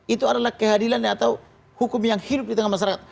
itu adalah kehadilan atau hukum yang hidup di tengah masyarakat